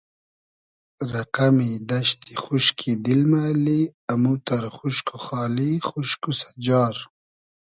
رئقئمی دئشتی خوشکی دیل مۂ اللی اموتئر خوشک و خالی خوشک و سئجار